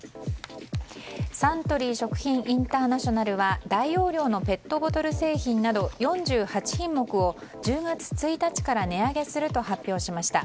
サントリー食品インターナショナルは大容量のペットボトル製品など４８品目を１０月１日から値上げすると発表しました。